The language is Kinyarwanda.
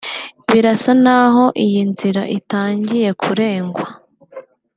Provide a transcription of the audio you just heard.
birasa n’aho iyi nzira itangiye kurengwa